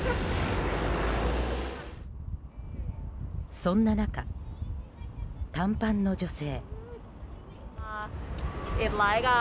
そんな中、短パンの女性。